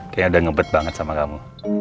kayaknya udah ngempet banget sama kamu